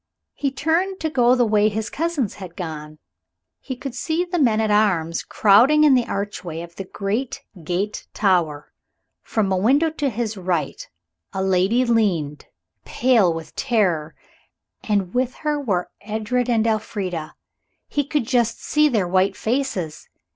He turned to go the way his cousins had gone. He could see the men at arms crowding in the archway of the great gate tower. From a window to his right a lady leaned, pale with terror, and with her were Edred and Elfrida he could just see their white faces.